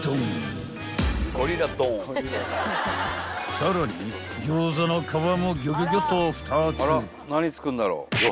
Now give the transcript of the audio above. ［さらに餃子の皮もギョギョギョっと２つ］